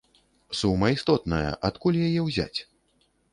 Сума істотная, адкуль яе ўзяць?